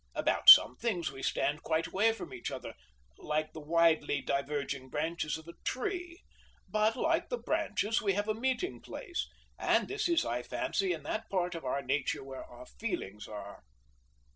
About some things we stand quite away from each other, like the widely diverging branches of a tree; but, like the branches, we have a meeting place, and this is, I fancy, in that part of our nature where our feelings are.